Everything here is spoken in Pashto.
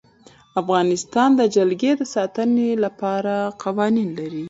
افغانستان د جلګه د ساتنې لپاره قوانین لري.